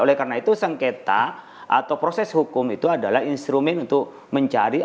oleh karena itu sengketa atau proses hukum itu adalah instrumen untuk mencari